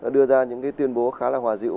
đưa ra những cái tuyên bố khá là hòa dịu